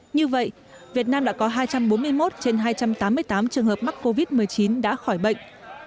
như vậy việt nam đã có hai trăm bốn mươi một trên hai trăm tám mươi tám trường hợp mắc covid một mươi chín đã khỏi bệnh